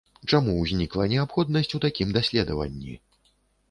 Чаму ўзнікла неабходнасць у такім даследаванні?